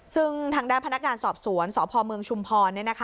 ซึ่งทางด้านพนักงานสอบสวนสพเมืองชุมพร